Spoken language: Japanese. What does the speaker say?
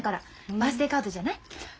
バースデーカードじゃない？